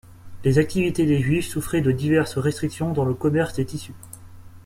Les activités des Juifs souffraient de diverses restrictions dans le commerce des tissus.